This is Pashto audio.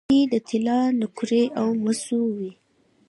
سکې د طلا نقرې او مسو وې